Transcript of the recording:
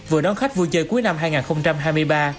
vừa đón khách vui chơi cuối năm hai nghìn hai mươi ba